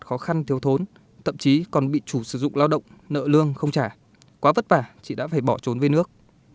khó khăn thiếu thốn tậm chí còn bị chủ sử dụng lao động nợ lương không trả quá vất vả chị đã phải bỏ trốn về nước